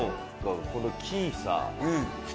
この木さ。